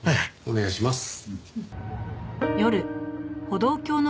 お願いします。